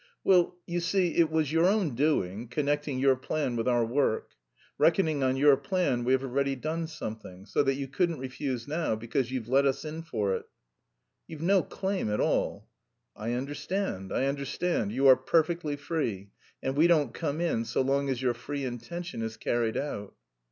"Well, you see, it was your own doing connecting your plan with our work. Reckoning on your plan we have already done something, so that you couldn't refuse now because you've let us in for it." "You've no claim at all." "I understand, I understand; you are perfectly free, and we don't come in so long as your free intention is carried out."